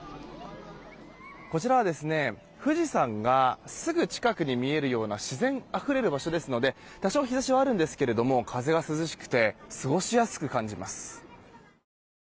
こちらは富士山がすぐ近くに見えるような自然あふれる場所ですので多少、日差しはあるんですけど風は涼しくて過ごしやすく感じます。